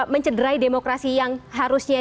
mencederai demokrasi yang harusnya